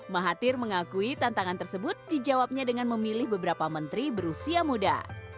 mahathir mengakui tantangan tersebut dijawabnya dengan memilih beberapa menteri berusia muda